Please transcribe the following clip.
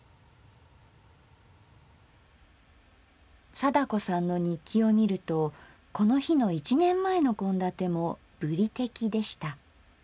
貞子さんの日記を見るとこの日の１年前の献立も「ぶりてき」でした。